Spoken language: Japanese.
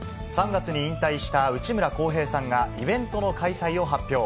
３月に引退した内村航平さんが、イベントの開催を発表。